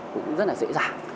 cũng rất là dễ dàng